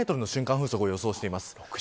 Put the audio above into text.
風速を予想しています。